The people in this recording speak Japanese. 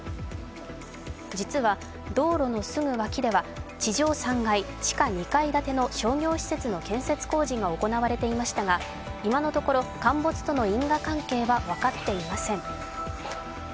実は道路のすぐ脇では地上３階、地下２階建ての商業施設の建設工事が行われていましたが今のところ陥没との因果関係は分かっていません。